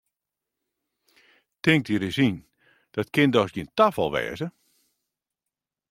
Tink dy ris yn, dat kin dochs gjin tafal wêze!